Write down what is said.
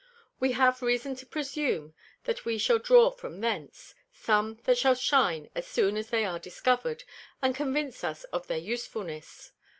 We have reason to presume, that we shall draw from thence, some that shall shine as soon as they are discover'd, and convince us of their Usefulness.